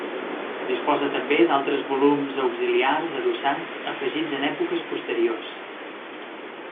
Disposa també d'altres volums auxiliars adossats afegits en èpoques posteriors.